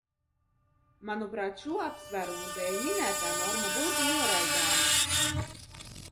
Manuprāt, šo apsvērumu dēļ minētā norma būtu noraidāma.